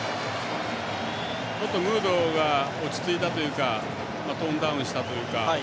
ちょっとムードが落ち着いたというかトーンダウンしたというか。